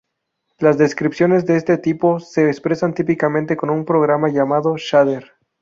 Las descripciones de este tipo se expresan típicamente con un programa llamado shader.